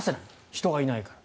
人がいないから。